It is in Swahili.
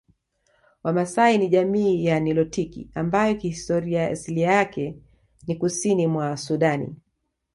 Wamasai ni jamii ya nilotiki ambayo kihistoria asilia yake ni Kusini mwa Sudani